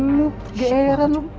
lu pergeran lu